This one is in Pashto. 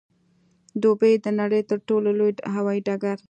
دوبۍ د نړۍ د تر ټولو لوی هوايي ډګر